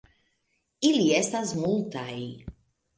Ili estas multaj.